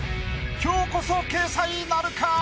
今日こそ掲載なるか⁉